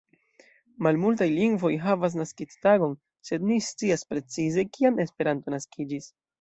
Malmultaj lingvoj havas naskiĝtagon, sed ni scias, precize kiam Esperanto naskiĝis.